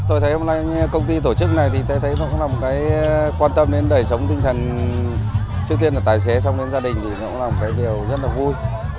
tôi thấy hôm nay công ty tổ chức này thì tôi thấy nó cũng là một cái quan tâm đến đời sống tinh thần trước tiên là tài xế xong đến gia đình thì nó là một cái điều rất là vui